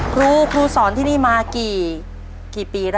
ครูครูสอนที่นี่มากี่ปีแล้ว